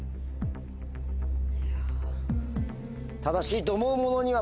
正しいと思うものには「○」